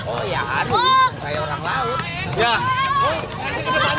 oh ya aduh saya orang laut